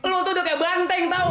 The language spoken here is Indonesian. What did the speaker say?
lo tuh udah kayak banteng tau